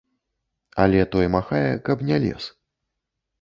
Але той махае, каб не лез.